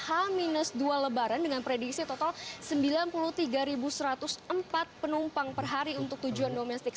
h dua lebaran dengan prediksi total sembilan puluh tiga satu ratus empat penumpang per hari untuk tujuan domestik